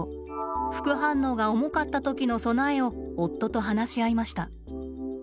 副反応が重かった時の備えを夫と話し合いました。